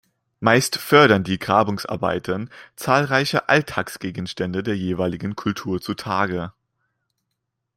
Meist fördern die Grabungsarbeiten zahlreiche Alltagsgegenstände der jeweiligen Kultur zutage.